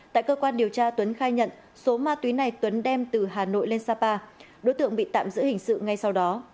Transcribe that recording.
tại cơ quan điều tra tuấn khai nhận số ma túy này tuấn đem từ hà nội lên sapa đối tượng bị tạm giữ hình sự ngay sau đó